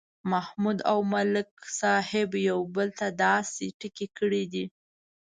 محمود او ملک صاحب یو بل ته داسې ټکي کړي دي